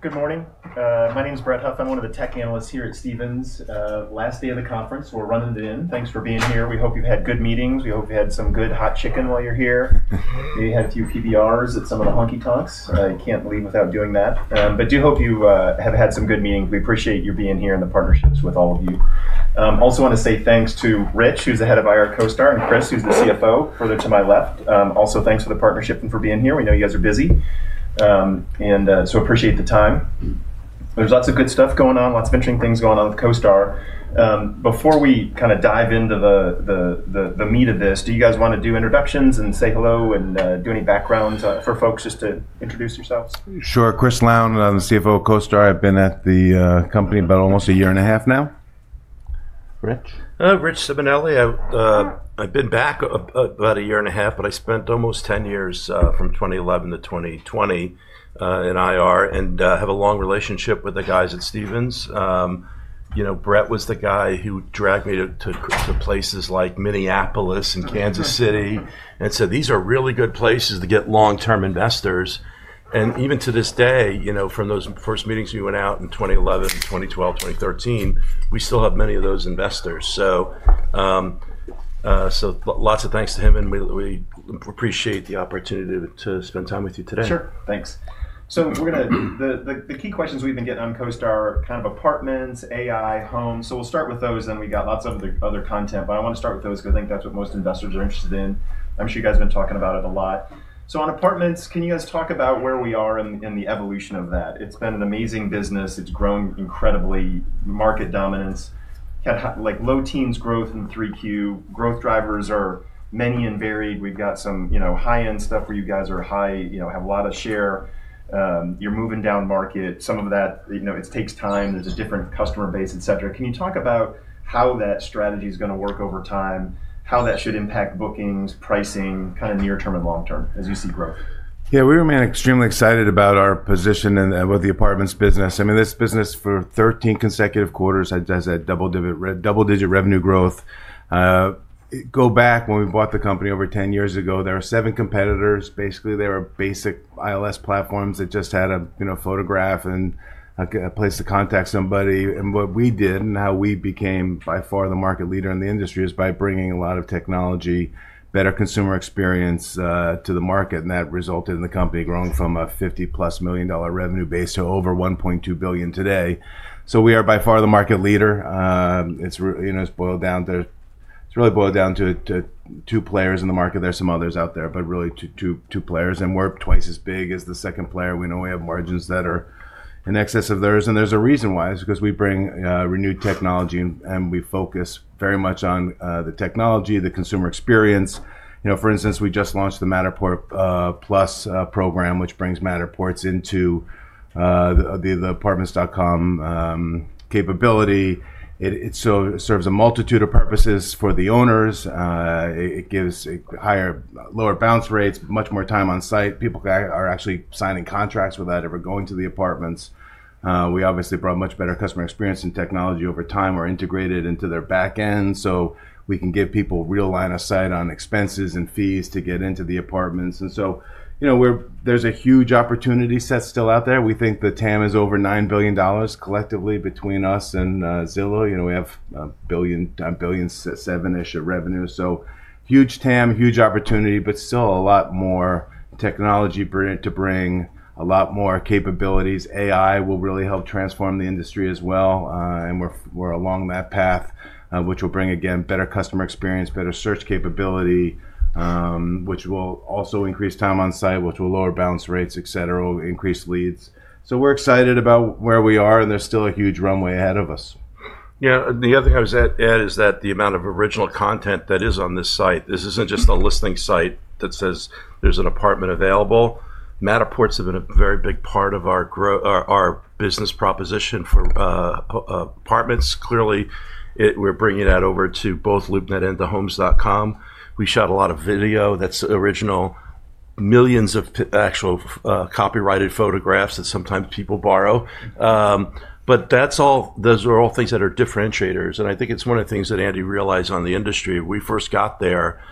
Good morning. My name's Brett Huff. I'm one of the tech analysts here at Stephens. Last day of the conference. We're running it in. Thanks for being here. We hope you've had good meetings. We hope you had some good hot chicken while you're here. Maybe had a few PBRs at some of the honky tonks. I can't believe without doing that. Do hope you have had some good meetings. We appreciate your being here and the partnerships with all of you. Also want to say thanks to Rich, who's the Head of Investor Relations at CoStar, and Chris, who's the CFO, further to my left. Also, thanks for the partnership and for being here. We know you guys are busy. Appreciate the time. There's lots of good stuff going on, lots of interesting things going on with CoStar. Before we kind of dive into the meat of this, do you guys want to do introductions and say hello and do any backgrounds for folks just to introduce yourselves? Sure. Chris Lown, I'm the CFO of CoStar. I've been at the company about almost a year and a half now. Rich? I've been back about a year and a half, but I spent almost 10 years from 2011 to 2020 in IR and have a long relationship with the guys at Stephens. Brett was the guy who dragged me to places like Minneapolis and Kansas City and said, "These are really good places to get long-term investors." Even to this day, from those first meetings we went out in 2011, 2012, 2013, we still have many of those investors. Lots of thanks to him, and we appreciate the opportunity to spend time with you today. Sure. Thanks. The key questions we've been getting on CoStar are kind of Apartments, AI, Homes. We will start with those, and we got lots of other content. I want to start with those because I think that's what most investors are interested in. I'm sure you guys have been talking about it a lot. On Apartments, can you guys talk about where we are in the evolution of that? It's been an amazing business. It's grown incredibly. Market dominance. Low teens growth in 3Q. Growth drivers are many and varied. We've got some high-end stuff where you guys have a lot of share. You're moving down market. Some of that, it takes time. There's a different customer base, et cetera. Can you talk about how that strategy is going to work over time, how that should impact bookings, pricing, kind of near-term and long-term as you see growth? Yeah, we remain extremely excited about our position and with the apartments business. I mean, this business for 13 consecutive quarters has had double-digit revenue growth. Go back when we bought the company over 10 years ago, there were seven competitors. Basically, they were basic ILS platforms that just had a photograph and a place to contact somebody. What we did and how we became by far the market leader in the industry is by bringing a lot of technology, better consumer experience to the market. That resulted in the company growing from a $50 million-plus revenue base to over $1.2 billion today. We are by far the market leader. It's boiled down to, it's really boiled down to two players in the market. There are some others out there, but really two players. We're twice as big as the second player. We know we have margins that are in excess of theirs. There is a reason why. It is because we bring renewed technology, and we focus very much on the technology, the consumer experience. For instance, we just launched the Matterport Plus program, which brings Matterports into the Apartments.com capability. It serves a multitude of purposes for the owners. It gives lower bounce rates, much more time on site. People are actually signing contracts without ever going to the apartments. We obviously brought much better customer experience and technology over time. We are integrated into their back end, so we can give people real line of sight on expenses and fees to get into the apartments. There is a huge opportunity set still out there. We think the TAM is over $9 billion collectively between us and Zillow. We have $1.7 billion of revenue. Huge TAM, huge opportunity, but still a lot more technology to bring, a lot more capabilities. AI will really help transform the industry as well. We're along that path, which will bring, again, better customer experience, better search capability, which will also increase time on site, which will lower bounce rates, et cetera, will increase leads. We're excited about where we are, and there's still a huge runway ahead of us. Yeah. The other thing I was going to add is that the amount of original content that is on this site, this isn't just a listing site that says there's an apartment available. Matterports have been a very big part of our business proposition for Apartments. Clearly, we're bringing that over to both LoopNet and to Homes.com. We shot a lot of video that's original, millions of actual copyrighted photographs that sometimes people borrow. Those are all things that are differentiators. I think it's one of the things that Andy realized on the industry. We first got there,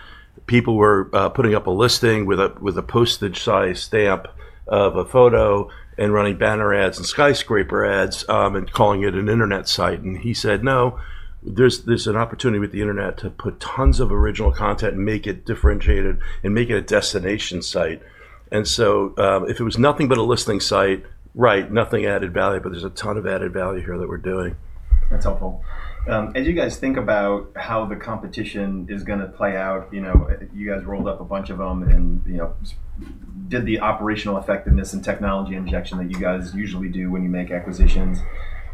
people were putting up a listing with a postage size stamp of a photo and running banner ads and skyscraper ads and calling it an internet site. He said, "No, there's an opportunity with the internet to put tons of original content and make it differentiated and make it a destination site." If it was nothing but a listing site, right, nothing added value, but there's a ton of added value here that we're doing. That's helpful. As you guys think about how the competition is going to play out, you guys rolled up a bunch of them and did the operational effectiveness and technology injection that you guys usually do when you make acquisitions.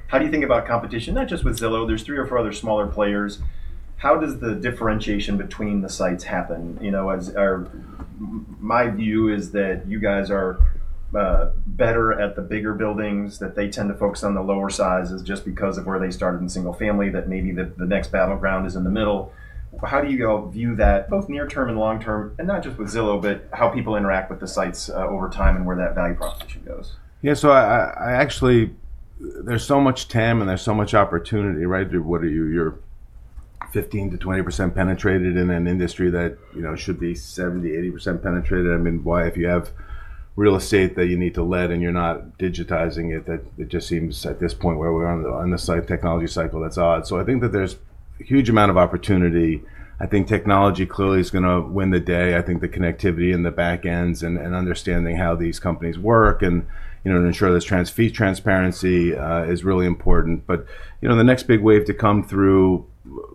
How do you think about competition, not just with Zillow? There's three or four other smaller players. How does the differentiation between the sites happen? My view is that you guys are better at the bigger buildings, that they tend to focus on the lower sizes just because of where they started in single family, that maybe the next battleground is in the middle. How do you view that both near-term and long-term, and not just with Zillow, but how people interact with the sites over time and where that value proposition goes? Yeah. Actually, there's so much TAM and there's so much opportunity, right? You're 15%-20% penetrated in an industry that should be 70%-80% penetrated. I mean, why if you have real estate that you need to let and you're not digitizing it, it just seems at this point where we're on the technology cycle, that's odd. I think that there's a huge amount of opportunity. I think technology clearly is going to win the day. I think the connectivity in the back ends and understanding how these companies work and ensure there's fee transparency is really important. The next big wave to come through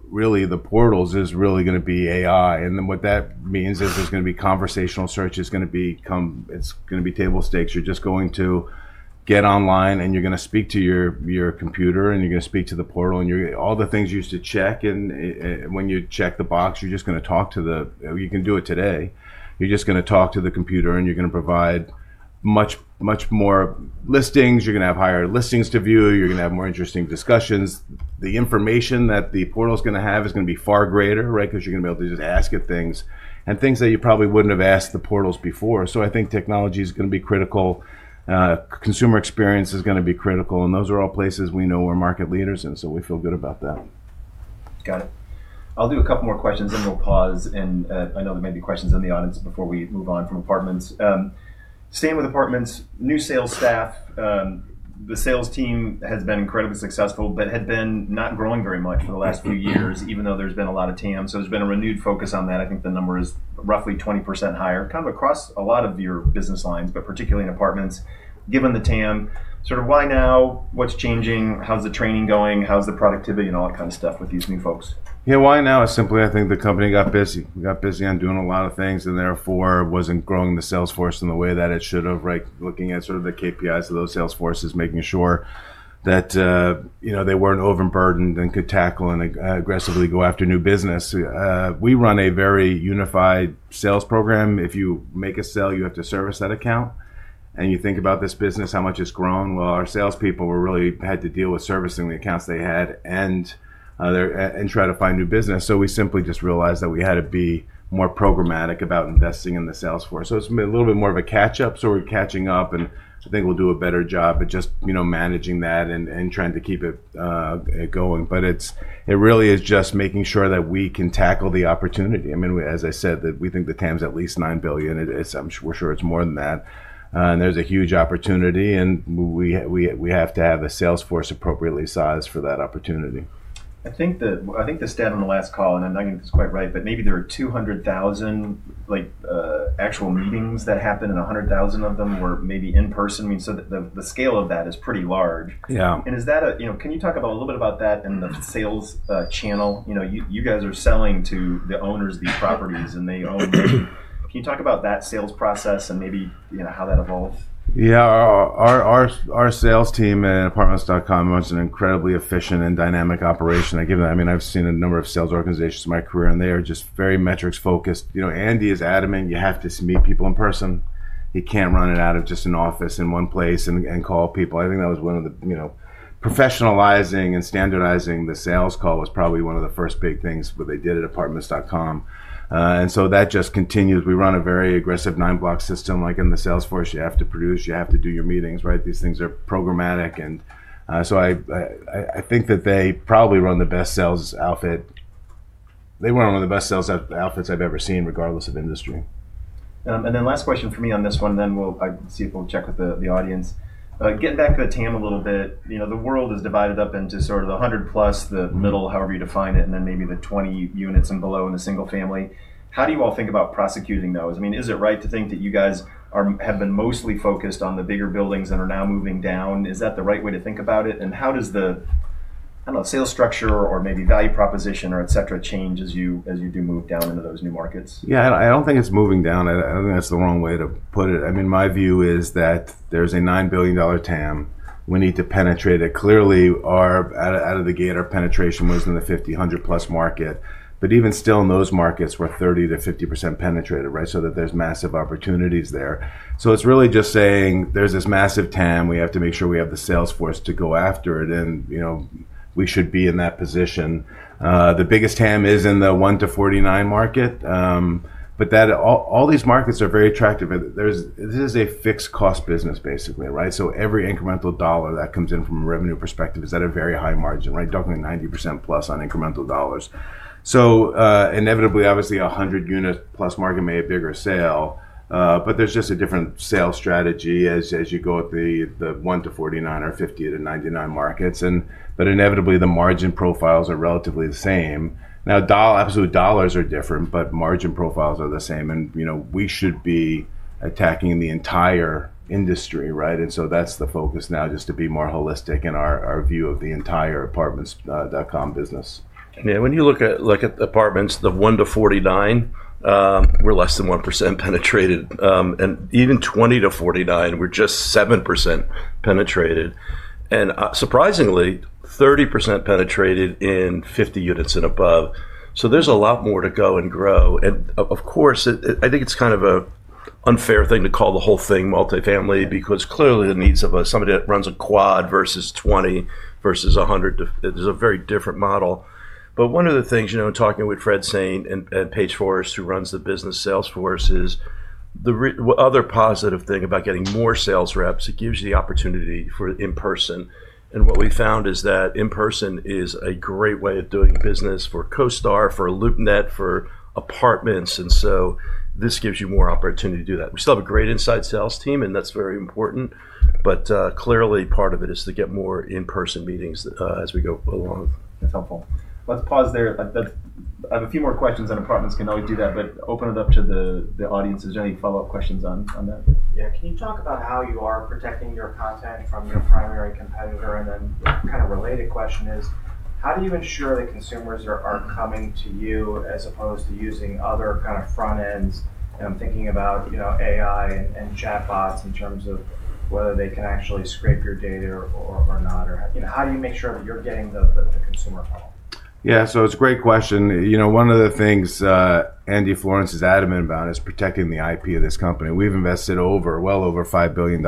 really the portals is really going to be AI. What that means is there's going to be conversational search, it's going to be table stakes. You're just going to get online and you're going to speak to your computer and you're going to speak to the portal and all the things you used to check. When you check the box, you're just going to talk to the, you can do it today. You're just going to talk to the computer and you're going to provide much more listings. You're going to have higher listings to view. You're going to have more interesting discussions. The information that the portal is going to have is going to be far greater, right? Because you're going to be able to just ask it things and things that you probably wouldn't have asked the portals before. I think technology is going to be critical. Consumer experience is going to be critical. Those are all places we know we're market leaders in, so we feel good about that. Got it. I'll do a couple more questions and we'll pause. I know there may be questions in the audience before we move on from Apartments. Staying with Apartments, new sales staff, the sales team has been incredibly successful, but had been not growing very much for the last few years, even though there's been a lot of TAM. There's been a renewed focus on that. I think the number is roughly 20% higher, kind of across a lot of your business lines, but particularly in Apartments. Given the TAM, sort of why now, what's changing, how's the training going, how's the productivity, and all that kind of stuff with these new folks? Yeah, why now is simply, I think the company got busy. We got busy on doing a lot of things and therefore was not growing the sales force in the way that it should have, right? Looking at sort of the KPIs of those sales forces, making sure that they were not overburdened and could tackle and aggressively go after new business. We run a very unified sales program. If you make a sale, you have to service that account. You think about this business, how much it has grown. Our salespeople really had to deal with servicing the accounts they had and try to find new business. We simply just realized that we had to be more programmatic about investing in the sales force. It is a little bit more of a catch-up. We're catching up and I think we'll do a better job at just managing that and trying to keep it going. It really is just making sure that we can tackle the opportunity. I mean, as I said, we think the TAM's at least $9 billion. We're sure it's more than that. There's a huge opportunity and we have to have a sales force appropriately sized for that opportunity. I think the stat on the last call, and I do not think it is quite right, but maybe there are 200,000 actual meetings that happen and 100,000 of them were maybe in person. I mean, so the scale of that is pretty large. Yeah. Can you talk a little bit about that and the sales channel? You guys are selling to the owners of these properties and they own them. Can you talk about that sales process and maybe how that evolves? Yeah. Our sales team at Apartments.com runs an incredibly efficient and dynamic operation. I mean, I've seen a number of sales organizations in my career and they are just very metrics-focused. Andy is adamant you have to meet people in person. He can't run it out of just an office in one place and call people. I think that was one of the professionalizing and standardizing the sales call was probably one of the first big things that they did at Apartments.com. That just continues. We run a very aggressive nine-block system like in the sales force. You have to produce, you have to do your meetings, right? These things are programmatic. I think that they probably run the best sales outfit. They run one of the best sales outfits I've ever seen regardless of industry. Last question for me on this one, then I'll see if we'll check with the audience. Getting back to the TAM a little bit, the world is divided up into sort of the 100 plus, the middle, however you define it, and then maybe the 20 units and below in the single family. How do you all think about prosecuting those? I mean, is it right to think that you guys have been mostly focused on the bigger buildings and are now moving down? Is that the right way to think about it? How does the, I don't know, sales structure or maybe value proposition or et cetera change as you do move down into those new markets? Yeah, I do not think it is moving down. I do not think that is the wrong way to put it. I mean, my view is that there is a $9 billion TAM. We need to penetrate it. Clearly, out of the gate, our penetration was in the 50-100 plus market. Even still in those markets, we are 30-50% penetrated, right? There are massive opportunities there. It is really just saying there is this massive TAM. We have to make sure we have the sales force to go after it, and we should be in that position. The biggest TAM is in the 1-49 market. All these markets are very attractive. This is a fixed cost business, basically, right? Every incremental dollar that comes in from a revenue perspective is at a very high margin, right? Talking 90% plus on incremental dollars. Inevitably, obviously, a 100 unit plus market may have bigger sale, but there's just a different sales strategy as you go at the 1-49 or 50-99 markets. Inevitably, the margin profiles are relatively the same. Now, absolute dollars are different, but margin profiles are the same. We should be attacking the entire industry, right? That's the focus now, just to be more holistic in our view of the entire Apartments.com business. Yeah. When you look at Apartments, the 1 to 49, we're less than 1% penetrated. And even 20 to 49, we're just 7% penetrated. And surprisingly, 30% penetrated in 50 units and above. There is a lot more to go and grow. I think it's kind of an unfair thing to call the whole thing multifamily because clearly the needs of somebody that runs a quad versus 20 versus 100, there's a very different model. One of the things talking with Fred Saint and Paige Forrest, who runs the business sales forces, the other positive thing about getting more sales reps, it gives you the opportunity for in-person. What we found is that in-person is a great way of doing business for CoStar, for LoopNet, for Apartments.com. This gives you more opportunity to do that. We still have a great inside sales team, and that's very important. Clearly, part of it is to get more in-person meetings as we go along. That's helpful. Let's pause there. I have a few more questions on Apartments. Can always do that, but open it up to the audience. Is there any follow-up questions on that? Yeah. Can you talk about how you are protecting your content from your primary competitor? And then kind of related question is, how do you ensure that consumers are coming to you as opposed to using other kind of front ends? I'm thinking about AI and chatbots in terms of whether they can actually scrape your data or not. How do you make sure that you're getting the consumer home? Yeah. It's a great question. One of the things Andy Florance is adamant about is protecting the IP of this company. We've invested well over $5 billion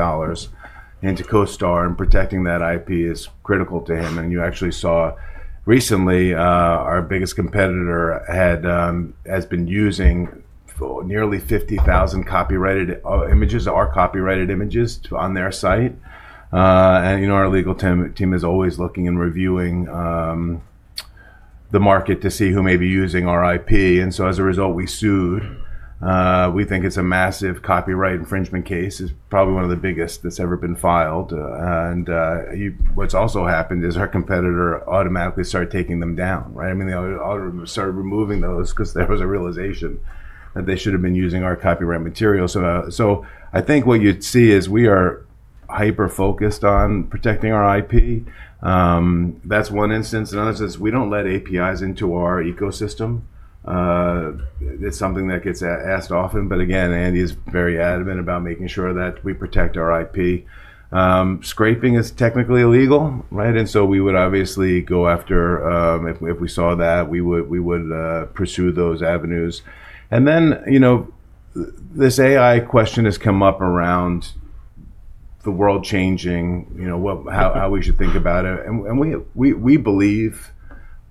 into CoStar, and protecting that IP is critical to him. You actually saw recently our biggest competitor has been using nearly 50,000 copyrighted images, our copyrighted images on their site. Our legal team is always looking and reviewing the market to see who may be using our IP. As a result, we sued. We think it's a massive copyright infringement case. It's probably one of the biggest that's ever been filed. What's also happened is our competitor automatically started taking them down, right? I mean, they started removing those because there was a realization that they should not have been using our copyright material. I think what you'd see is we are hyper-focused on protecting our IP. That's one instance. Another instance, we don't let APIs into our ecosystem. It's something that gets asked often. Again, Andy is very adamant about making sure that we protect our IP. Scraping is technically illegal, right? We would obviously go after, if we saw that, we would pursue those avenues. This AI question has come up around the world changing, how we should think about it. We believe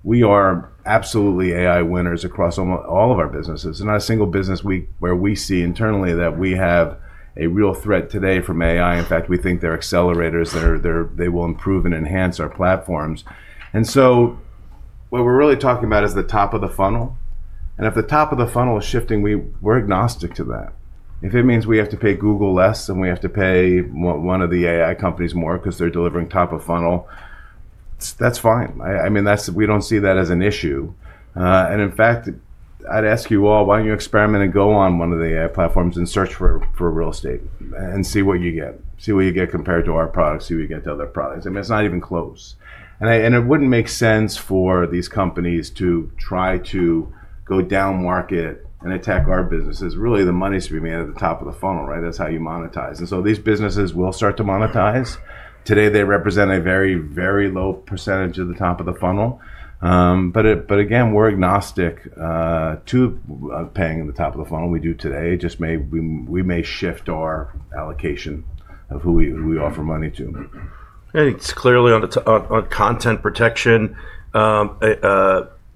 we are absolutely AI winners across all of our businesses. There's not a single business where we see internally that we have a real threat today from AI. In fact, we think they're accelerators. They will improve and enhance our platforms. What we're really talking about is the top of the funnel. If the top of the funnel is shifting, we're agnostic to that. If it means we have to pay Google less and we have to pay one of the AI companies more because they're delivering top of funnel, that's fine. I mean, we don't see that as an issue. In fact, I'd ask you all, why don't you experiment and go on one of the AI platforms and search for real estate and see what you get, see what you get compared to our products, see what you get to other products. I mean, it's not even close. It wouldn't make sense for these companies to try to go down market and attack our businesses. Really, the money should be made at the top of the funnel, right? That's how you monetize. These businesses will start to monetize. Today, they represent a very, very low percentage of the top of the funnel. We are agnostic to paying at the top of the funnel. We do today. We may shift our allocation of who we offer money to. I think it's clearly on content protection.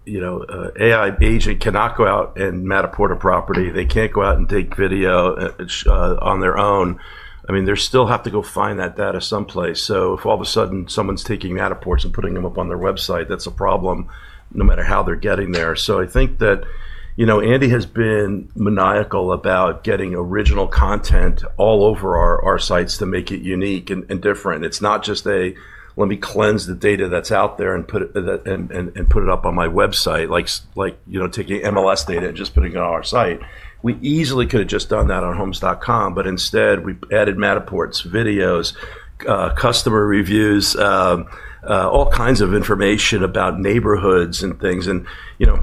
AI agent cannot go out and Matterport a property. They can't go out and take video on their own. I mean, they still have to go find that data someplace. If all of a sudden someone's taking Matterports and putting them up on their website, that's a problem no matter how they're getting there. I think that Andy has been maniacal about getting original content all over our sites to make it unique and different. It's not just a, let me cleanse the data that's out there and put it up on my website, like taking MLS data and just putting it on our site. We easily could have just done that on Homes.com, but instead we added Matterports, videos, customer reviews, all kinds of information about neighborhoods and things.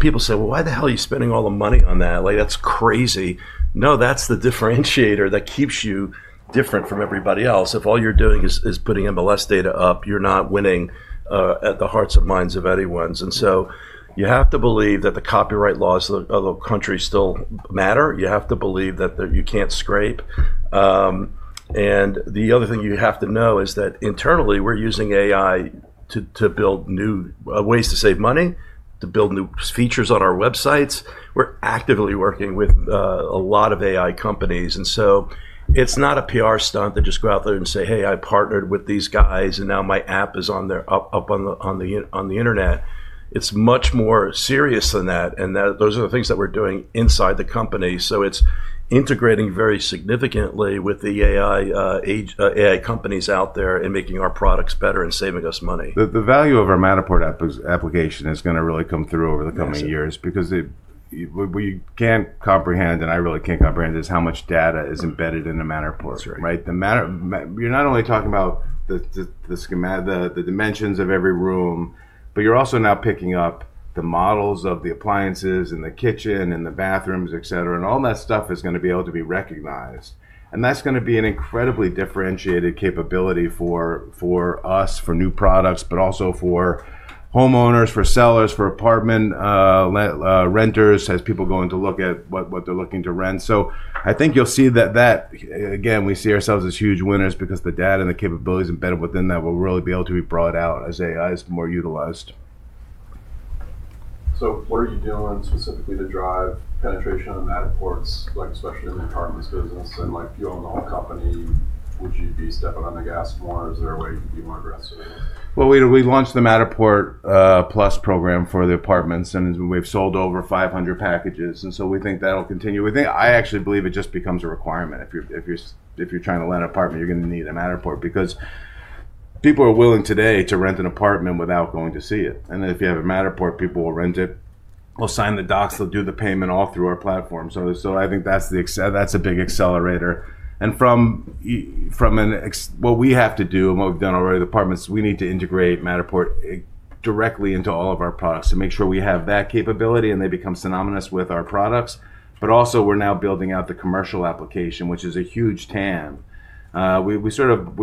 People say, well, why the hell are you spending all the money on that? That's crazy. No, that's the differentiator that keeps you different from everybody else. If all you're doing is putting MLS data up, you're not winning at the hearts and minds of anyone's. You have to believe that the copyright laws of the country still matter. You have to believe that you can't scrape. The other thing you have to know is that internally we're using AI to build new ways to save money, to build new features on our websites. We're actively working with a lot of AI companies. It's not a PR stunt to just go out there and say, hey, I partnered with these guys and now my app is up on the internet. It's much more serious than that. Those are the things that we're doing inside the company. It's integrating very significantly with the AI companies out there and making our products better and saving us money. The value of our Matterport Application is going to really come through over the coming years because we can't comprehend, and I really can't comprehend this, how much data is embedded in the Matterport, right? You're not only talking about the dimensions of every room, but you're also now picking up the models of the appliances and the kitchen and the bathrooms, et cetera. All that stuff is going to be able to be recognized. That is going to be an incredibly differentiated capability for us, for new products, but also for homeowners, for sellers, for apartment renters, as people going to look at what they're looking to rent. I think you'll see that, again, we see ourselves as huge winners because the data and the capabilities embedded within that will really be able to be brought out as AI is more utilized. What are you doing specifically to drive penetration on Matterport, especially in the apartments business? If you own the whole company, would you be stepping on the gas more? Is there a way you could be more aggressive? We launched the Matterport Plus program for the apartments, and we've sold over 500 packages. We think that'll continue. I actually believe it just becomes a requirement. If you're trying to land an apartment, you're going to need a Matterport because people are willing today to rent an apartment without going to see it. If you have a Matterport, people will rent it, will sign the docs, they'll do the payment all through our platform. I think that's a big accelerator. From what we have to do and what we've done already, the apartments, we need to integrate Matterport directly into all of our products to make sure we have that capability and they become synonymous with our products. We are now building out the commercial application, which is a huge TAM. We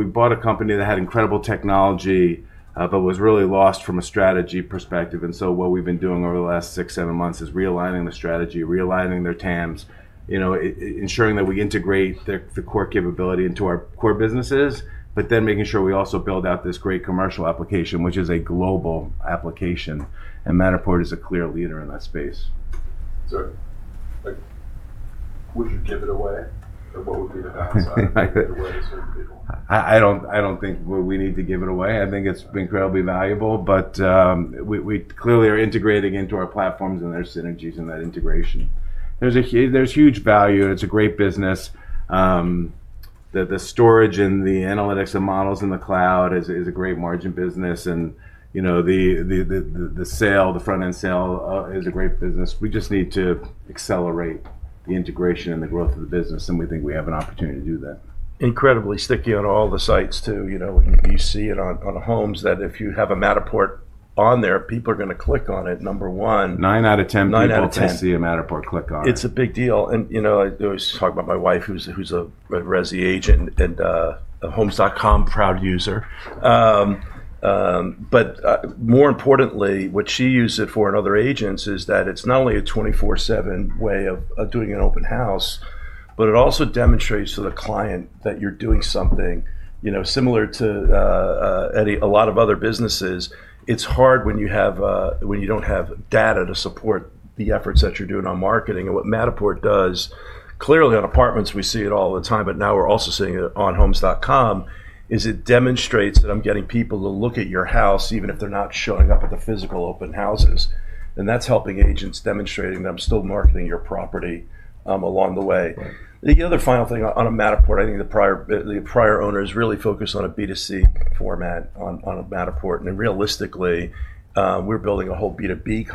bought a company that had incredible technology, but was really lost from a strategy perspective. What we've been doing over the last six, seven months is realigning the strategy, realigning their TAMs, ensuring that we integrate the core capability into our core businesses, but then making sure we also build out this great commercial application, which is a global application. Matterport is a clear leader in that space. Would you give it away? What would be the downside? I don't think we need to give it away. I think it's incredibly valuable, but we clearly are integrating into our platforms and there are synergies and that integration. There's huge value, and it's a great business. The storage and the analytics and models in the cloud is a great margin business. The sale, the front end sale is a great business. We just need to accelerate the integration and the growth of the business, and we think we have an opportunity to do that. Incredibly sticky on all the sites too. You see it on Homes.com that if you have a Matterport on there, people are going to click on it, number one. 9 out of 10 people will see a Matterport, click on it. It's a big deal. I was talking about my wife, who's a Resi agent and a Homes.com proud user. More importantly, what she uses it for and other agents is that it's not only a 24/7 way of doing an open house, but it also demonstrates to the client that you're doing something similar to a lot of other businesses. It's hard when you don't have data to support the efforts that you're doing on marketing. What Matterport does, clearly on Apartments.com, we see it all the time, but now we're also seeing it on Homes.com, is it demonstrates that I'm getting people to look at your house, even if they're not showing up at the physical open houses. That's helping agents demonstrating that I'm still marketing your property along the way. The other final thing on Matterport, I think the prior owners really focused on a B2C format on Matterport. Realistically, we're building a whole B2B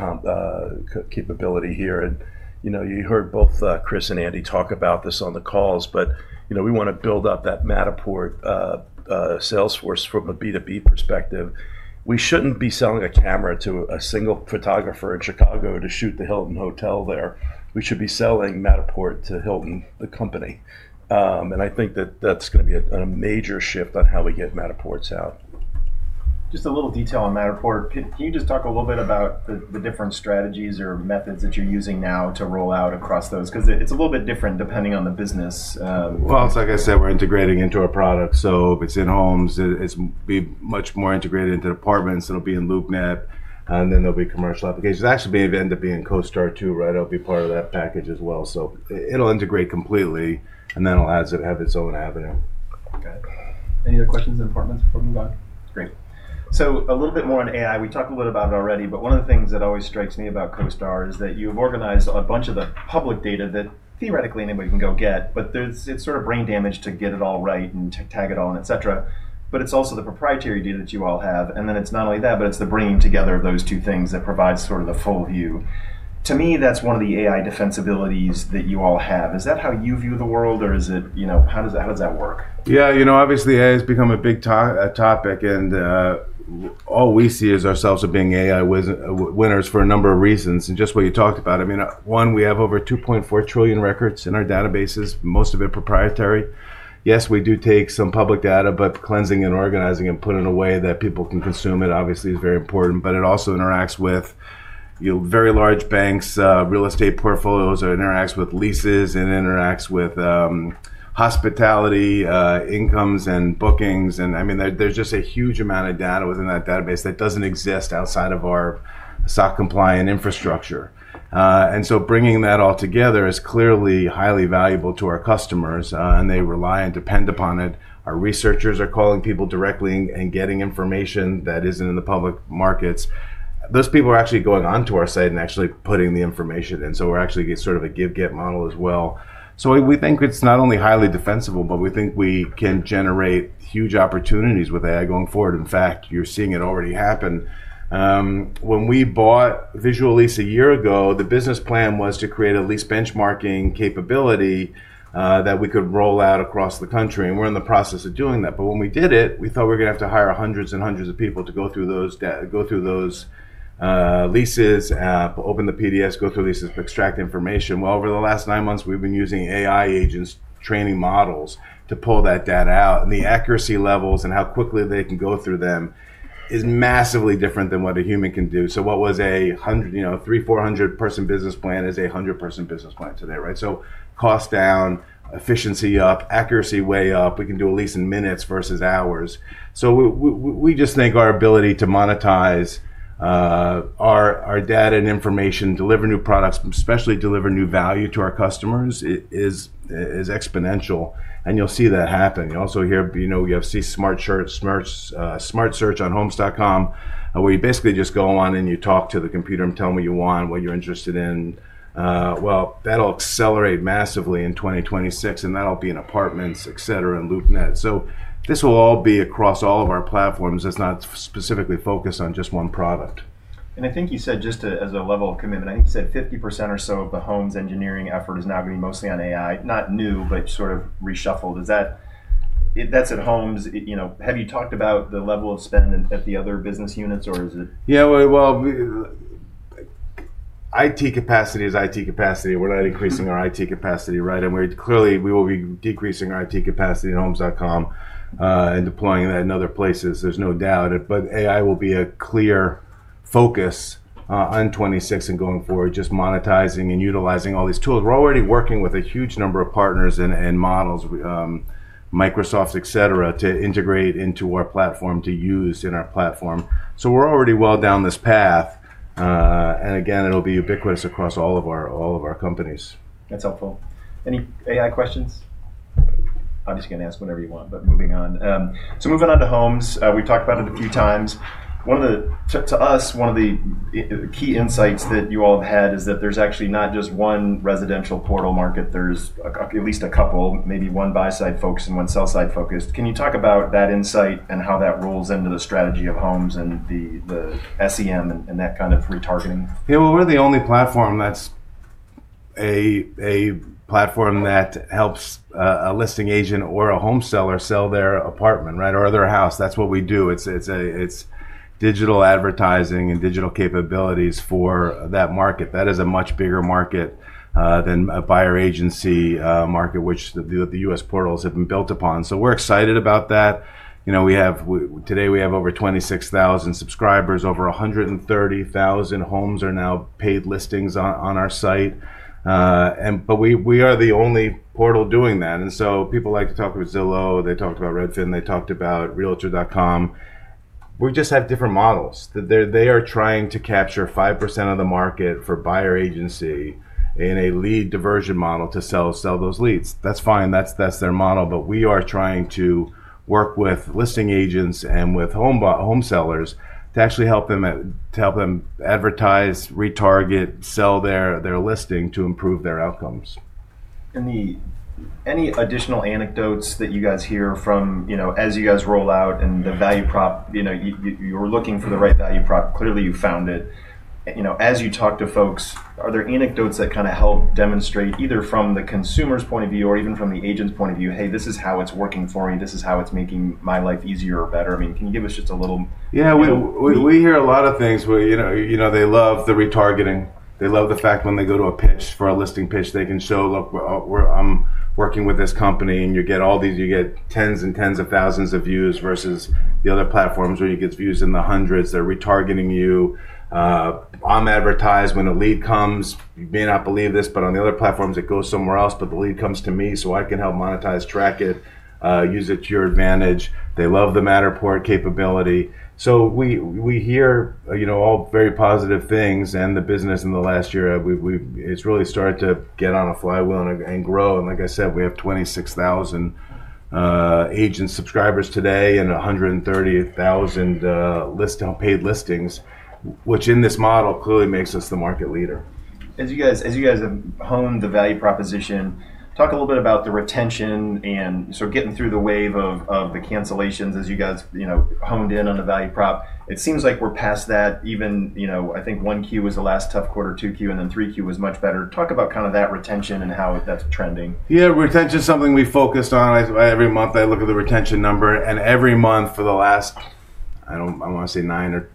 capability here. You heard both Chris and Andy talk about this on the calls, but we want to build up that Matterport Salesforce from a B2B perspective. We shouldn't be selling a camera to a single photographer in Chicago to shoot the Hilton Hotel there. We should be selling Matterport to Hilton, the company. I think that that's going to be a major shift on how we get Matterports out. Just a little detail on Matterport. Can you just talk a little bit about the different strategies or methods that you're using now to roll out across those? Because it's a little bit different depending on the business. It is like I said, we are integrating into our product. If it is in Homes, it will be much more integrated into Apartments. It will be in LoopNet, and there will be commercial applications. It will actually end up being CoStar too, right? It will be part of that package as well. It will integrate completely, and it will have its own avenue. Got it. Any other questions in Apartments before we move on? Great. A little bit more on AI. We talked a little bit about it already, but one of the things that always strikes me about CoStar is that you have organized a bunch of the public data that theoretically anybody can go get, but it's sort of brain damage to get it all right and tag it all, et cetera. It's also the proprietary data that you all have. Then it's not only that, but it's the bringing together of those two things that provides sort of the full view. To me, that's one of the AI defensibilities that you all have. Is that how you view the world, or how does that work? Yeah, you know, obviously AI has become a big topic, and all we see is ourselves being AI winners for a number of reasons. Just what you talked about, I mean, one, we have over 2.4 trillion records in our databases, most of it proprietary. Yes, we do take some public data, but cleansing and organizing and putting it away that people can consume it obviously is very important, but it also interacts with very large banks, real estate portfolios, it interacts with leases, it interacts with hospitality, incomes, and bookings. I mean, there is just a huge amount of data within that database that does not exist outside of our SOC compliant infrastructure. Bringing that all together is clearly highly valuable to our customers, and they rely and depend upon it. Our researchers are calling people directly and getting information that is not in the public markets. Those people are actually going onto our site and actually putting the information in. So we're actually sort of a Give-Get Model as well. We think it's not only highly defensible, but we think we can generate huge opportunities with AI going forward. In fact, you're seeing it already happen. When we bought Visual Lease a year ago, the business plan was to create a Lease Benchmarking capability that we could roll out across the country. We are in the process of doing that. When we did it, we thought we were going to have to hire hundreds and hundreds of people to go through those leases, open the PDFs, go through leases, extract information. Over the last nine months, we've been using AI agents' training models to pull that data out. The accuracy levels and how quickly they can go through them is massively different than what a human can do. What was a 300-400 person business plan is a 100 person business plan today, right? Cost down, efficiency up, accuracy way up. We can do a lease in minutes versus hours. We just think our ability to monetize our data and information, deliver new products, especially deliver new value to our customers is exponential. You will see that happen. You also hear, you know, you have SmartSearch on Homes.com, where you basically just go on and you talk to the computer and tell it what you're interested in. That will accelerate massively in 2026, and that will be in Apartments.com, et cetera, and LoopNet. This will all be across all of our platforms. It is not specifically focused on just one product. I think you said just as a level of commitment, I think you said 50% or so of the Homes engineering effort is now going to be mostly on AI, not new, but sort of reshuffled. That's at Homes. Have you talked about the level of spend at the other business units, or is it? Yeah, IT capacity is IT capacity. We're not increasing our IT capacity, right? Clearly we will be decreasing our IT capacity at Homes.com and deploying that in other places. There's no doubt. AI will be a clear focus on 2026 and going forward, just monetizing and utilizing all these tools. We're already working with a huge number of partners and models, Microsoft, et cetera, to integrate into our platform, to use in our platform. We're already well down this path. It will be ubiquitous across all of our companies. That's helpful. Any AI questions? I'm just going to ask whenever you want, but moving on. Moving on to Homes, we've talked about it a few times. To us, one of the key insights that you all have had is that there's actually not just one residential portal market. There's at least a couple, maybe one buy-side focused and one sell-side focused. Can you talk about that insight and how that rolls into the strategy of Homes and the SEM and that kind of retargeting? Yeah, we are the only platform that's a platform that helps a listing agent or a home seller sell their apartment, right, or their house. That's what we do. It's digital advertising and digital capabilities for that market. That is a much bigger market than a buyer agency market, which the US portals have been built upon. We are excited about that. Today we have over 26,000 subscribers, over 130,000 homes are now paid listings on our site. We are the only portal doing that. People like to talk about Zillow, they talked about Redfin, they talked about Realtor.com. We just have different models. They are trying to capture 5% of the market for buyer agency in a lead diversion model to sell those leads. That's fine. That's their model. We are trying to work with listing agents and with home sellers to actually help them advertise, retarget, sell their listing to improve their outcomes. Any additional anecdotes that you guys hear from as you guys roll out and the value prop, you were looking for the right value prop, clearly you found it. As you talk to folks, are there anecdotes that kind of help demonstrate either from the consumer's point of view or even from the agent's point of view, "Hey, this is how it's working for me. This is how it's making my life easier or better." I mean, can you give us just a little? Yeah, we hear a lot of things where they love the retargeting. They love the fact when they go to a pitch for a listing pitch, they can show, "Look, I'm working with this company," and you get all these, you get tens and tens of thousands of views versus the other platforms where you get views in the hundreds. They're retargeting you. I'm advertised when a lead comes. You may not believe this, but on the other platforms, it goes somewhere else, but the lead comes to me, so I can help monetize, track it, use it to your advantage. They love the Matterport capability. We hear all very positive things. The business in the last year, it's really started to get on a flywheel and grow. Like I said, we have 26,000 agent subscribers today and 130,000 paid listings, which in this model clearly makes us the market leader. As you guys have honed the value proposition, talk a little bit about the retention and sort of getting through the wave of the cancellations as you guys honed in on the value prop. It seems like we're past that. Even I think one Q was the last tough quarter, two Q, and then three Q was much better. Talk about kind of that retention and how that's trending. Yeah, retention is something we focused on. Every month I look at the retention number, and every month for the last, I want to say nine, it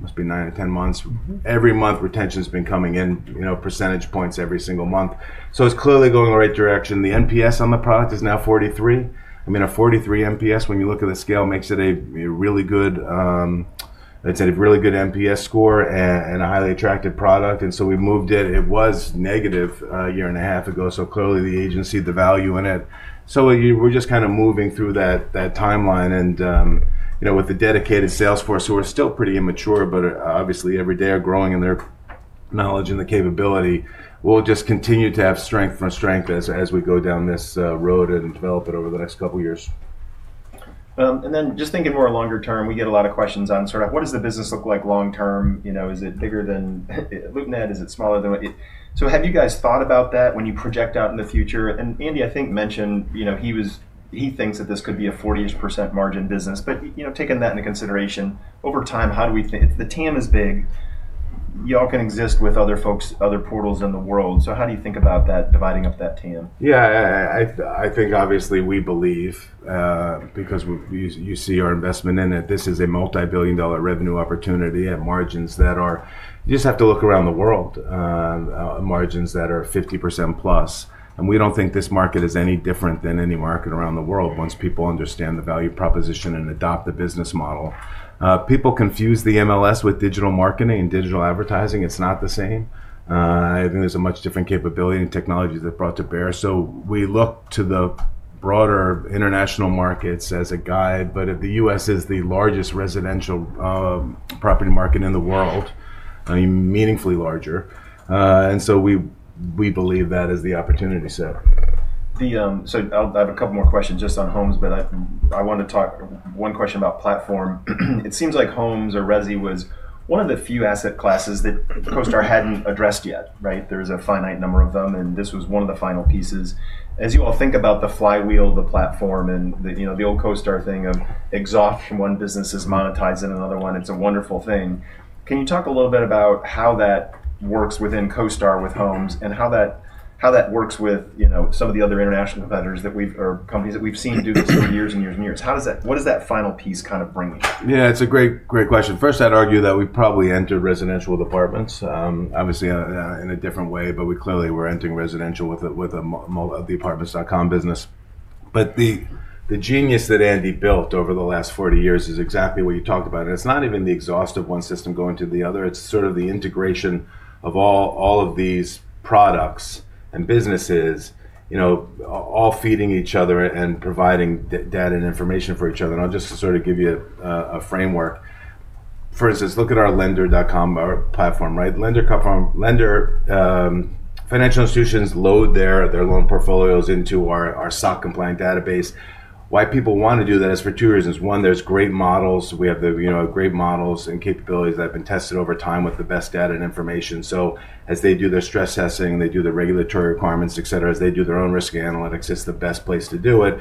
must be nine or ten months, every month retention has been coming in percentage points every single month. It's clearly going the right direction. The NPS on the product is now 43. I mean, a 43 NPS, when you look at the scale, makes it a really good, it's a really good NPS score and a highly attractive product. We moved it. It was negative a year and a half ago. Clearly the agency, the value in it. We're just kind of moving through that timeline. With the dedicated Salesforce, who are still pretty immature, but obviously every day are growing in their knowledge and the capability, we'll just continue to have strength for strength as we go down this road and develop it over the next couple of years. Just thinking more longer term, we get a lot of questions on sort of what does the business look like long term? Is it bigger than LoopNet? Is it smaller than? Have you guys thought about that when you project out in the future? Andy, I think, mentioned he thinks that this could be a 40% margin business. Taking that into consideration, over time, how do we think the TAM is big. Y'all can exist with other folks, other portals in the world. How do you think about that, dividing up that TAM? Yeah, I think obviously we believe, because you see our investment in it, this is a multi-billion dollar revenue opportunity and margins that are, you just have to look around the world, margins that are 50% plus. We do not think this market is any different than any market around the world once people understand the value proposition and adopt the business model. People confuse the MLS with digital marketing and digital advertising. It's not the same. I think there's a much different capability and technology that's brought to bear. We look to the broader international markets as a guide, but the U.S. is the largest residential property market in the world, meaningfully larger. We believe that is the opportunity set. I have a couple more questions just on Homes, but I want to talk one question about platform. It seems like homes or resi was one of the few asset classes that CoStar hadn't addressed yet, right? There's a finite number of them, and this was one of the final pieces. As you all think about the flywheel, the platform, and the old CoStar thing of exhaust from one business is monetized in another one, it's a wonderful thing. Can you talk a little bit about how that works within CoStar with Homes and how that works with some of the other international competitors or companies that we've seen do this for years and years and years? What does that final piece kind of bring you? Yeah, it's a great question. First, I'd argue that we probably entered residential departments, obviously in a different way, but we clearly were entering residential with the Apartments.com business. The genius that Andy built over the last 40 years is exactly what you talked about. It's not even the exhaust of one system going to the other. It's sort of the integration of all of these products and businesses all feeding each other and providing data and information for each other. I'll just sort of give you a framework. For instance, look at our Lender.com platform, right? Lender financial institutions load their loan portfolios into our SOC compliant database. Why people want to do that is for two reasons. One, there's great models. We have great models and capabilities that have been tested over time with the best data and information. As they do their stress testing, they do the regulatory requirements, et cetera, as they do their own risk analytics, it's the best place to do it.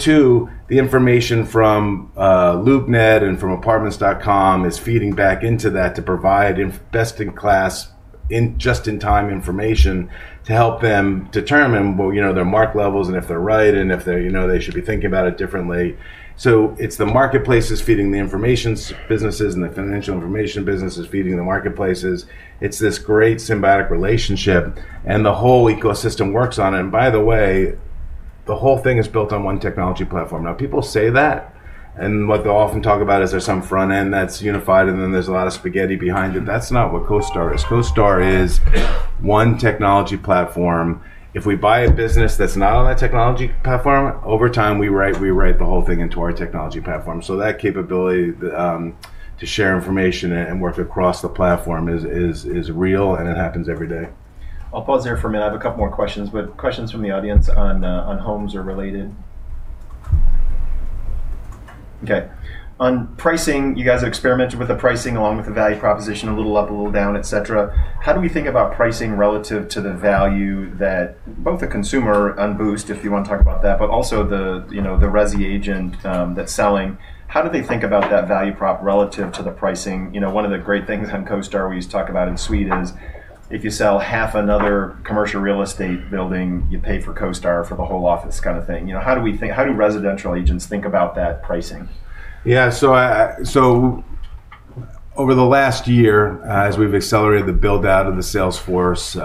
Two, the information from LoopNet and from Apartments.com is feeding back into that to provide best in class, just in time information to help them determine their mark levels and if they're right and if they should be thinking about it differently. It's the marketplaces feeding the information businesses and the financial information businesses feeding the marketplaces. It's this great symbiotic relationship, and the whole ecosystem works on it. By the way, the whole thing is built on one technology platform. Now, people say that. What they'll often talk about is there's some front end that's unified, and then there's a lot of spaghetti behind it. That's not what CoStar is. CoStar is one technology platform. If we buy a business that's not on that technology platform, over time we write the whole thing into our technology platform. So that capability to share information and work across the platform is real, and it happens every day. I'll pause there for a minute. I have a couple more questions, but questions from the audience on Homes or related. Okay. On pricing, you guys have experimented with the pricing along with the value proposition, a little up, a little down, et cetera. How do we think about pricing relative to the value that both the consumer on Boost, if you want to talk about that, but also the resi agent that's selling, how do they think about that value prop relative to the pricing? One of the great things on CoStar we used to talk about in Suite is if you sell half another commercial real estate building, you pay for CoStar for the whole office kind of thing. How do residential agents think about that pricing? Yeah, over the last year, as we've accelerated the build-out of the Salesforce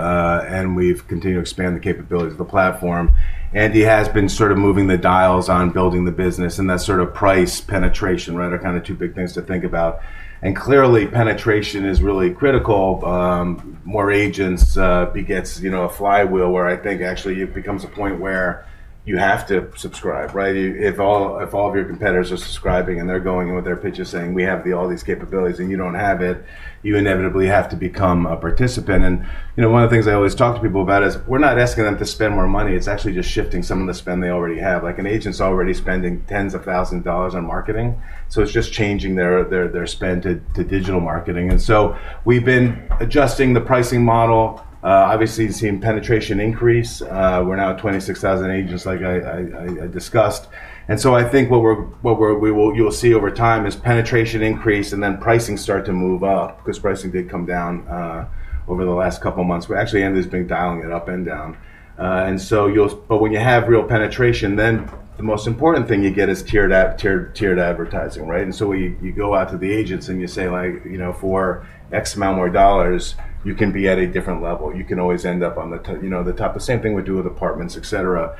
and we've continued to expand the capabilities of the platform, Andy has been sort of moving the dials on building the business. That's sort of price penetration, right, are kind of two big things to think about. Clearly, penetration is really critical. More agents begets a flywheel where I think actually it becomes a point where you have to subscribe, right? If all of your competitors are subscribing and they're going in with their pitches saying, "We have all these capabilities," and you don't have it, you inevitably have to become a participant. One of the things I always talk to people about is we're not asking them to spend more money. It's actually just shifting some of the spend they already have. Like an agent's already spending tens of thousands of dollars on marketing. It's just changing their spend to digital marketing. We've been adjusting the pricing model. Obviously, you've seen penetration increase. We're now at 26,000 agents, like I discussed. I think what you'll see over time is penetration increase and then pricing start to move up because pricing did come down over the last couple of months. Actually, Andy's been dialing it up and down. When you have real penetration, the most important thing you get is tiered advertising, right? You go out to the agents and you say, "For X amount more dollars, you can be at a different level. You can always end up on the top." The same thing we do with Apartments, et cetera.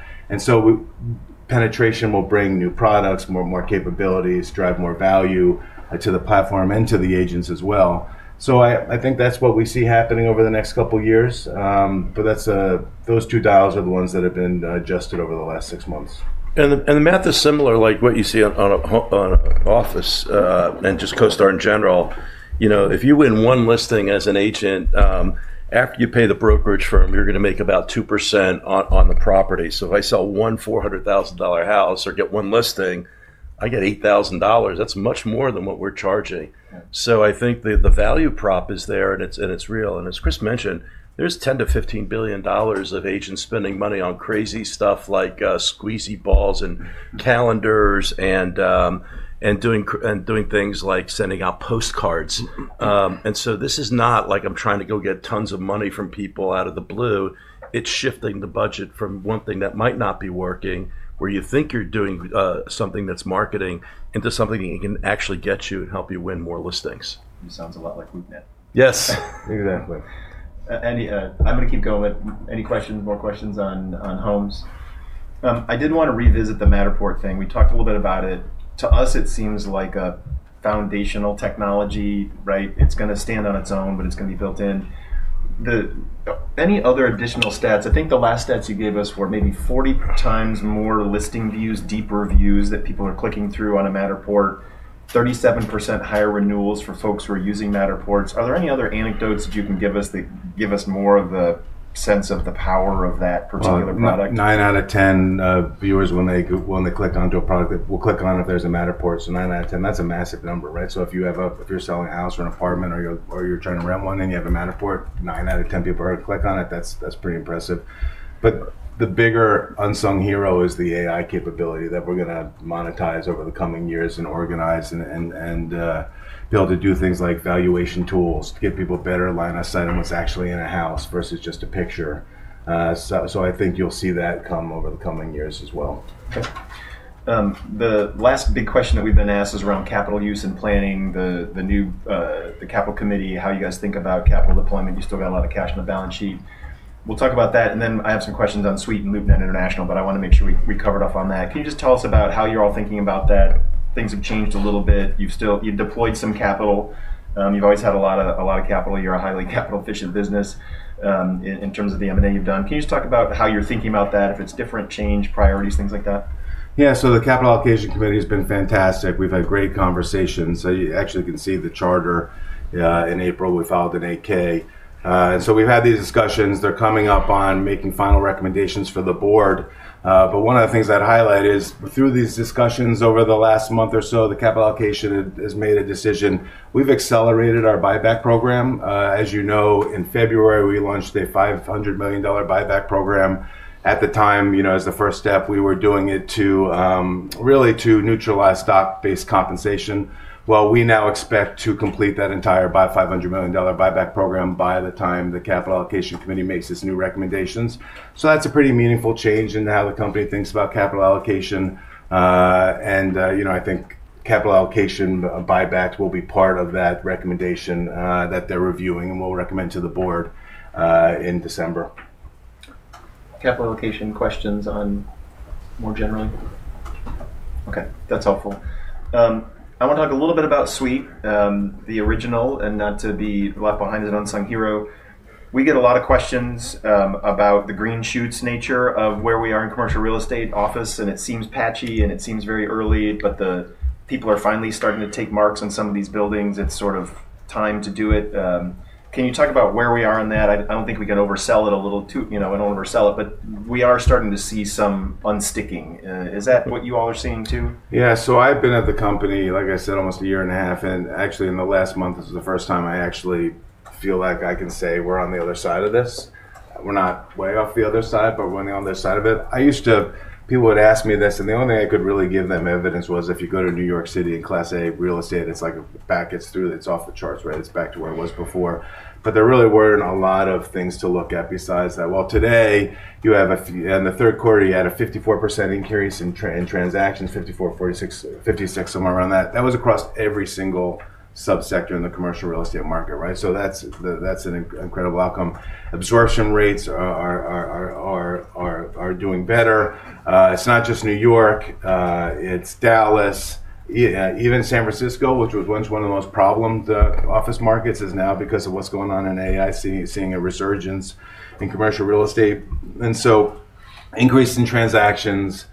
Penetration will bring new products, more capabilities, drive more value to the platform and to the agents as well. I think that's what we see happening over the next couple of years. Those two dials are the ones that have been adjusted over the last six months. The math is similar like what you see on an office and just CoStar in general. If you win one listing as an agent, after you pay the brokerage firm, you're going to make about 2% on the property. If I sell one $400,000 house or get one listing, I get $8,000. That's much more than what we're charging. I think the value prop is there and it's real. As Chris mentioned, there is $10 billion-$15 billion of agents spending money on crazy stuff like squeezy balls and calendars and doing things like sending out postcards. This is not like I'm trying to go get tons of money from people out of the blue. It's shifting the budget from one thing that might not be working, where you think you're doing something that's marketing, into something that can actually get you and help you win more listings. Sounds a lot like LoopNet. Yes, exactly. Andy, I'm going to keep going. Any questions, more questions on Homes.com? I did want to revisit the Matterport thing. We talked a little bit about it. To us, it seems like a foundational technology, right? It's going to stand on its own, but it's going to be built in. Any other additional stats? I think the last stats you gave us were maybe 40x more listing views, deeper views that people are clicking through on a Matterport, 37% higher renewals for folks who are using Matterports. Are there any other anecdotes that you can give us that give us more of the sense of the power of that particular product? 9 out of 10 viewers when they click onto a product, they will click on it if there's a Matterport. 9 out of 10, that's a massive number, right? If you're selling a house or an apartment or you're trying to rent one and you have a Matterport, 9 out of 10 people are going to click on it. That's pretty impressive. The bigger unsung hero is the AI capability that we're going to monetize over the coming years and organize and be able to do things like valuation tools to get people better line of sight on what's actually in a house versus just a picture. I think you'll see that come over the coming years as well. The last big question that we've been asked is around capital use and planning, the new Capital Committee, how you guys think about capital deployment. You still got a lot of cash on the balance sheet. We'll talk about that. I have some questions on Suite and LoopNet International, but I want to make sure we covered off on that. Can you just tell us about how you're all thinking about that? Things have changed a little bit. You've deployed some capital. You've always had a lot of capital. You're a highly capital-efficient business in terms of the M&A you've done. Can you just talk about how you're thinking about that, if it's different change, priorities, things like that? Yeah, so the Capital Allocation Committee has been fantastic. We've had great conversations. You actually can see the charter in April. We filed an AK. We've had these discussions. They're coming up on making final recommendations for the Board. One of the things I'd highlight is through these discussions over the last month or so, the capital allocation has made a decision. We've accelerated our buyback program. As you know, in February, we launched a $500 million buyback program. At the time, as the first step, we were doing it really to neutralize stock-based compensation. We now expect to complete that entire $500 million buyback program by the time the Capital Allocation Committee makes its new recommendations. That's a pretty meaningful change in how the company thinks about capital allocation. I think capital allocation buybacks will be part of that recommendation that they're reviewing and will recommend to the Board in December. Capital allocation questions on more generally? Okay, that's helpful. I want to talk a little bit about Suite, the original, and not to be left behind as an unsung hero. We get a lot of questions about the green shoots nature of where we are in commercial real estate office. It seems patchy and it seems very early, but people are finally starting to take marks on some of these buildings. It's sort of time to do it. Can you talk about where we are on that? I don't think we can oversell it a little too and oversell it, but we are starting to see some unsticking. Is that what you all are seeing too? Yeah, so I've been at the company, like I said, almost a year and a half. Actually, in the last month, this is the first time I actually feel like I can say we're on the other side of this. We're not way off the other side, but we're on the other side of it. I used to, people would ask me this, and the only thing I could really give them evidence was if you go to New York City and Class A real estate, it's like back, it's through, it's off the charts, right? It's back to where it was before. There really weren't a lot of things to look at besides that. Today, you have a, in the third quarter, you had a 54% increase in transactions, 54, 56, somewhere around that. That was across every single subsector in the commercial real estate market, right? That's an incredible outcome. Absorption rates are doing better. It's not just New York City. It's Dallas, even San Francisco, which was once one of the most problemed office markets, is now because of what's going on in AI, seeing a resurgence in commercial real estate. Increase in transactions,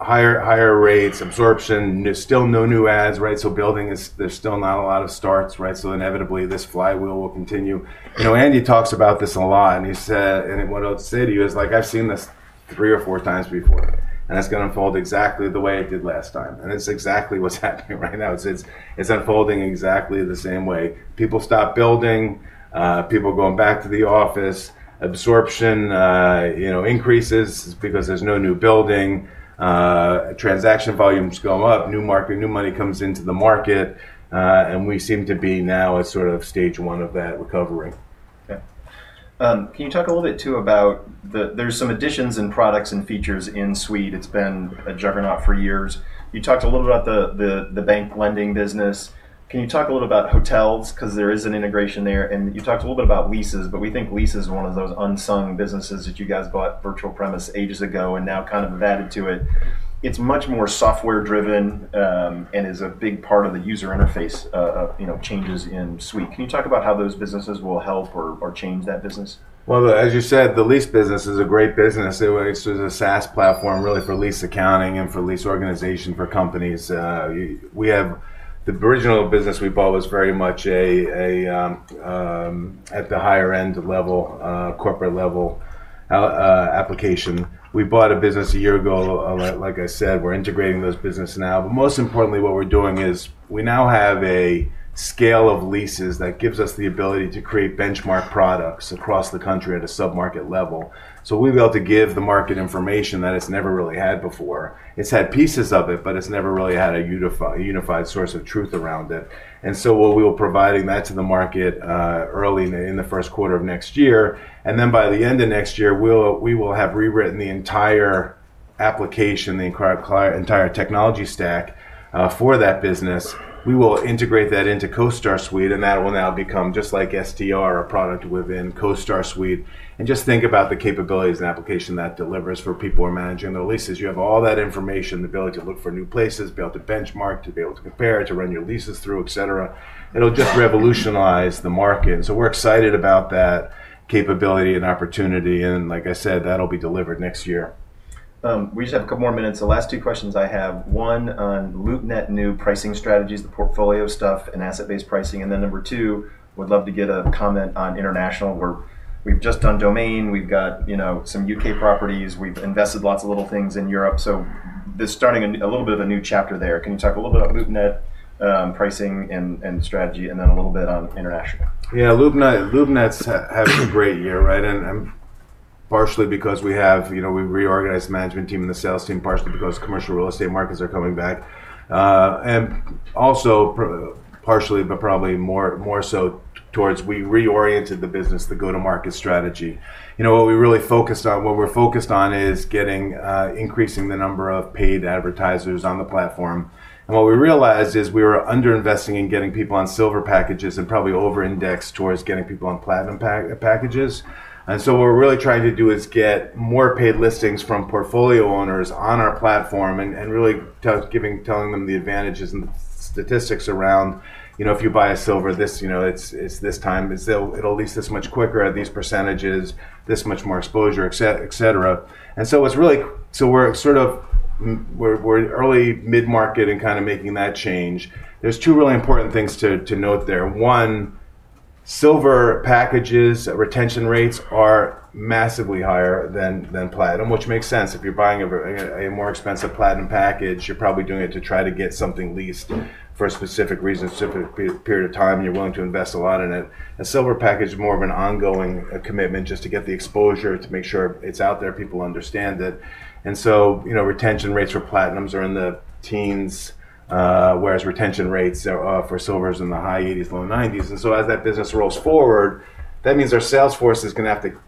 higher rates, absorption, still no new ads, right? Building is, there's still not a lot of starts, right? Inevitably, this flywheel will continue. Andy talks about this a lot. What I'll say to you is like, I've seen this three or four times before, and it's going to unfold exactly the way it did last time. It's exactly what's happening right now. It's unfolding exactly the same way. People stop building, people going back to the office, absorption increases because there's no new building, transaction volumes go up, new market, new money comes into the market. We seem to be now at sort of stage one of that recovery. Okay. Can you talk a little bit too about there's some additions in products and features in Suiten. It's been a juggernaut for years. You talked a little about the bank lending business. Can you talk a little about hotels? Because there is an integration there. You talked a little bit about leases, but we think lease is one of those unsung businesses that you guys bought Virtual Premise ages ago and now kind of have added to it. It's much more software-driven and is a big part of the user interface changes in Suite. Can you talk about how those businesses will help or change that business? As you said, the lease business is a great business. It's a SaaS platform really for lease accounting and for lease organization for companies. The original business we bought was very much at the higher-end level, corporate-level application. We bought a business a year ago. Like I said, we're integrating those businesses now. Most importantly, what we're doing is we now have a scale of leases that gives us the ability to create benchmark products across the country at a sub-market level. We have been able to give the market information that it's never really had before. It's had pieces of it, but it's never really had a unified source of truth around it. We will be providing that to the market early in the first quarter of next year. By the end of next year, we will have rewritten the entire application, the entire technology stack for that business. We will integrate that into CoStar Suite, and that will now become just like STR, a product within CoStar Suite. Just think about the capabilities and application that delivers for people who are managing their leases. You have all that information, the ability to look for new places, be able to benchmark, to be able to compare, to run your leases through, et cetera. It will just revolutionize the market. We are excited about that capability and opportunity. Like I said, that will be delivered next year. We just have a couple more minutes. The last two questions I have, one on LoopNet new pricing strategies, the portfolio stuff and asset-based pricing. Then number two, we'd love to get a comment on international. We've just done Domain. We've got some U.K. properties. We've invested lots of little things in Europe. Starting a little bit of a new chapter there. Can you talk a little bit about LoopNet pricing and strategy and then a little bit on international? Yeah, LoopNet's had a great year, right? Partially because we reorganized the management team and the sales team, partially because commercial real estate markets are coming back. Also partially, but probably more so, we reoriented the business, the go-to-market strategy. What we really focused on, what we're focused on is getting increasing the number of paid advertisers on the platform. What we realized is we were under-investing in getting people on silver packages and probably over-indexed towards getting people on platinum packages. What we're really trying to do is get more paid listings from portfolio owners on our platform and really telling them the advantages and statistics around if you buy a silver, it's this time, it'll lease this much quicker at these percentages, this much more exposure, et cetera. We're sort of early mid-market and kind of making that change. There's two really important things to note there. One, silver packages retention rates are massively higher than platinum, which makes sense. If you're buying a more expensive platinum package, you're probably doing it to try to get something leased for a specific reason, specific period of time. You're willing to invest a lot in it. A silver package is more of an ongoing commitment just to get the exposure, to make sure it's out there, people understand it. Retention rates for platinums are in the teens, whereas retention rates for silvers are in the high 80s, low 90s. As that business rolls forward, that means our sales force is going to have to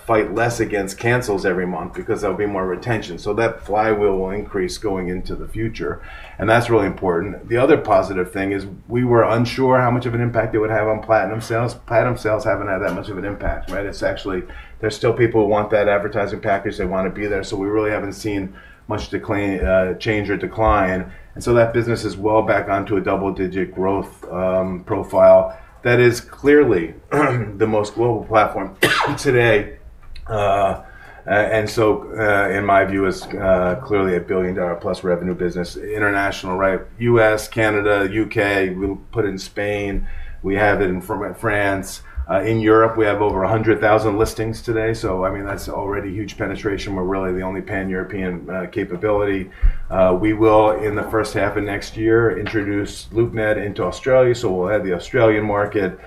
fight less against cancels every month because there'll be more retention. That flywheel will increase going into the future. That's really important. The other positive thing is we were unsure how much of an impact it would have on platinum sales. Platinum sales haven't had that much of an impact, right? It's actually there's still people who want that advertising package. They want to be there. We really haven't seen much change or decline. That business is well back onto a double-digit growth profile that is clearly the most global platform today. In my view, it's clearly a billion-dollar-plus revenue business. International, right? U.S., Canada, U.K., we'll put it in Spain. We have it in France. In Europe, we have over 100,000 listings today. I mean, that's already huge penetration. We're really the only pan-European capability. We will, in the first half of next year, introduce LoopNet into Australia. We will have the Australian market,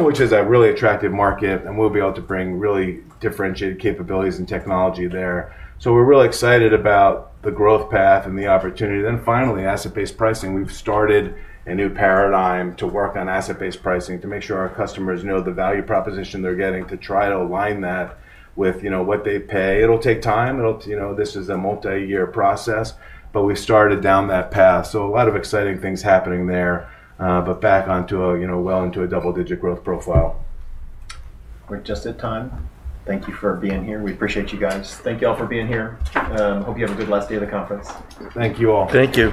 which is a really attractive market, and we will be able to bring really differentiated capabilities and technology there. We are really excited about the growth path and the opportunity. Finally, asset-based pricing. We have started a new paradigm to work on asset-based pricing to make sure our customers know the value proposition they are getting, to try to align that with what they pay. It will take time. This is a multi-year process, but we started down that path. A lot of exciting things are happening there, back onto a well into a double-digit growth profile. We're just at time. Thank you for being here. We appreciate you guys. Thank you all for being here. Hope you have a good last day of the conference. Thank you all. Thank you.